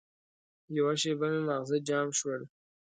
یوه شېبه مې ماغزه جام شول.